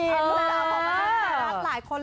พิน๗๓บอกว่าจะรักมากหลายคน